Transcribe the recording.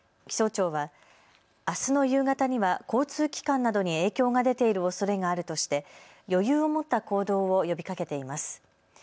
気象庁は、あすの夕方には交通機関などに影響が出ているおそれがあるとして余裕を持った行動を呼びかけています。